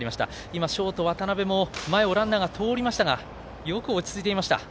今、ショートの渡邊も前をランナーが通りましたがよく落ち着いていました。